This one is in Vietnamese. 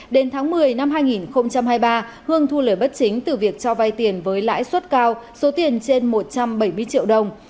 đến tháng một mươi năm hai nghìn hai mươi ba hương thu lời bất chính từ việc cho vay tiền với lãi suất cao số tiền trên một trăm bảy mươi triệu đồng